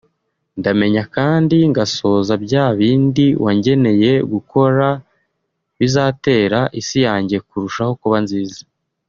ndamenya kandi ngasohoza bya bindi wangeneye gukora bizatera isi yanjye kurushaho kuba nziza